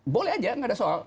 boleh aja nggak ada soal